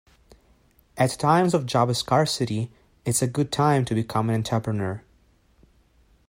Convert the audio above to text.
At times of job scarcity, it's a good time to become an entrepreneur.